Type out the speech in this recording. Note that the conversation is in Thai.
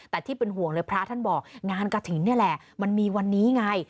แต่ที่เป็นห่วงเลยพระท่านบอกงานกระถิ่นนี่แหละมันมีวันนี้ไง